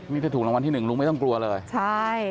นี่ถ้าถูกรางวัลที่หนึ่งลุงไม่ต้องกลัวเลยใช่